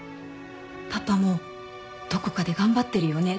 「パパもどこかで頑張ってるよね」